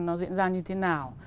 nó diễn ra như thế nào